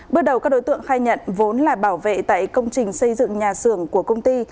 bước đầu các đối tượng khai nhận vốn là bảo vệ tại công trình xây dựng nhà xưởng của công ty